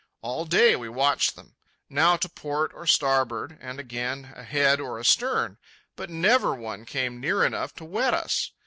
All day we watched them, now to port or starboard, and again ahead or astern. But never one came near enough to wet us.